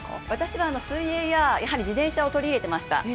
私は水泳や、やはり自転車を取り入れていました。